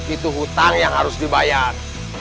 itu hutang yang harus dibayar